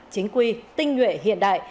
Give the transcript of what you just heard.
chính quy tinh nguyện